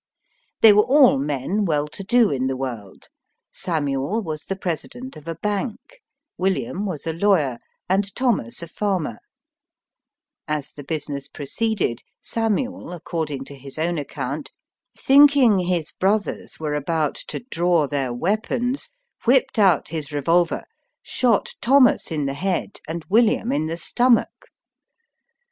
They were all men well to do in the world. Samuel was the president of a bank, William was a lawyer, and Thomas a farmer. As the business proceeded, Samuel, according to his own account, '' thinking his brothers were about to draw their weapons," whipped Digitized by VjOOQIC LIFE AND DEATH IN THE FAR WEST. 65 ont his revolver, shot Thomas in the head and William in the stomach.